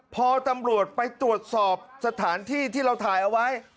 พอตำรวจไปตรวจสอบสถานที่ที่เราถ่ายเอาไว้